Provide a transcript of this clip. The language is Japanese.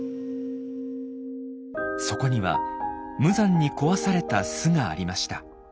そこには無残に壊された巣がありました。